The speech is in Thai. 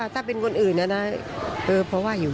ถ้าเป็นคนอื่นนะนะเพราะว่าอยู่